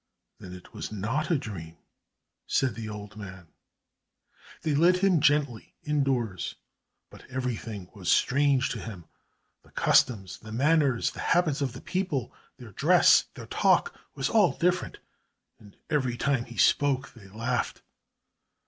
"Then it was not a dream," said the old man. They led him gently indoors, but everything was strange to him. The customs, the manners, the habits of the people, their dress, their talk, was all different, and every time he spoke they laughed.